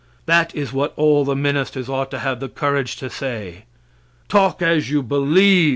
That is what all the ministers ought to have the courage to say. Talk as you believe.